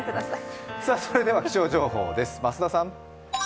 それでは気象情報です、増田さん。